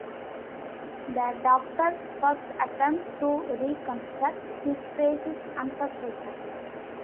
The Doctor's first attempt to reconstruct his face is unsuccessful.